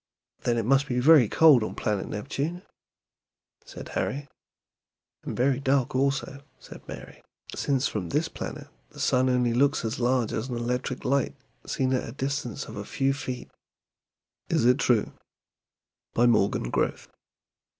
"Then it must be very cold on planet Neptune?" said Harry. "And very dark also," said Mary, "since from this planet the sun only looks as large as an electric light seen at a distance of a few feet." [Illustration: SIZE OF PLANETS, COMPARED WITH THE SUN.] "IS IT TRUE?" BY MORGAN GROWTH.